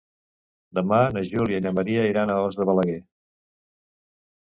Demà na Júlia i na Maria iran a Os de Balaguer.